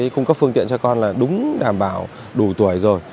cung cấp phương tiện cho con là đúng đảm bảo đủ tuổi rồi